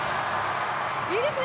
いいですね。